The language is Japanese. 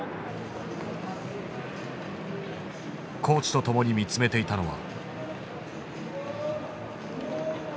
コーチと共に見つめていたのは。